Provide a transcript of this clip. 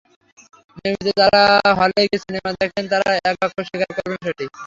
নিয়মিত যারা হলে গিয়ে সিনেমা দেখেন, তারা একবাক্যে স্বীকার করবেন সেটি।